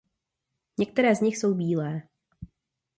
Některé z nich jsou bílé.